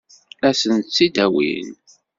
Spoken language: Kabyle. Ad sent-t-id-awin?